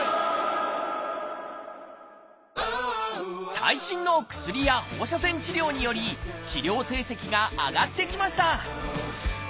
最新の薬や放射線治療により治療成績が上がってきました